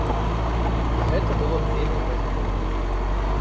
Гэта было б вельмі пазітыўна.